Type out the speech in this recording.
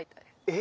え？